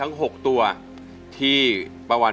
มูลค่า๔๐๐๐๐บาท